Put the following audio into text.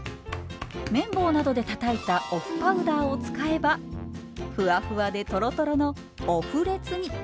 麺棒などでたたいたお麩パウダーを使えばふわふわでとろとろのオ麩レツに。